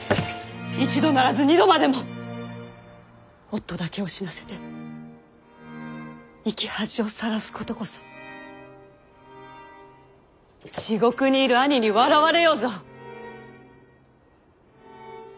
一度ならず二度までも夫だけを死なせて生き恥をさらすことこそ地獄にいる兄に笑われようぞ。